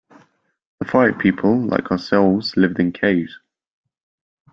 The Fire People, like ourselves, lived in caves.